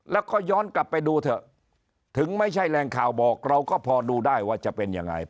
แล้วก็ย้อนกลับไปดูเถอะถึงไม่ใช่แรงข่าวบอกเราก็พอดูได้ว่าจะเป็นยังไง